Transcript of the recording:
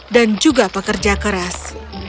dan juga pekerja keras